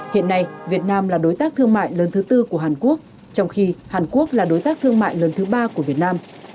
hiện nay việt nam là đối tác thương mại lớn thứ tư của hàn quốc trong khi hàn quốc là đối tác thương mại lớn thứ ba của việt nam